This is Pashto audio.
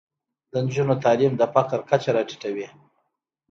د نجونو تعلیم د فقر کچه راټیټوي.